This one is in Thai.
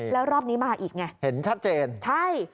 แล้วรอบนี้มาอีกไงเห็นชัดเจนใช่